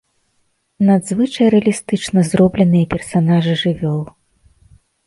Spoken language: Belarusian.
Надзвычай рэалістычна зробленыя персанажы жывёл.